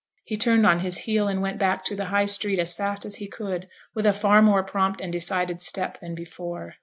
He turned on his heel and went back to the High Street as fast as he could, with a far more prompt and decided step than before.